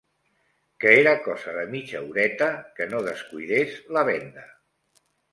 Que era cosa de mitja horeta, que no descuidés la venda